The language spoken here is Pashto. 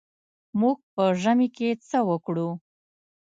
موږ په ژمي کې څه وکړو.